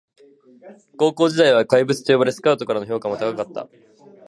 高校時代は怪物と呼ばれスカウトからの評価も高かった